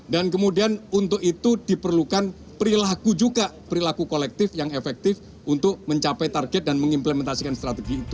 dan kemudian untuk itu diperlukan perilaku juga perilaku kolektif yang efektif untuk mencapai target dan mengimplementasikan strategi itu